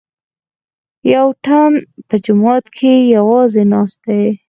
یوتن په جومات کې یوازې ناست دی.